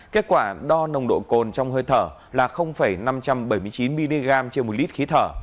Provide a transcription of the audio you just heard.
kết quả đo nồng độ cồn trong hơi thở là năm trăm bảy mươi chín mg trên một lít khí thở